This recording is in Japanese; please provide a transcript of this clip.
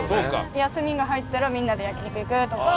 休みが入ったらみんなで焼肉行くとか。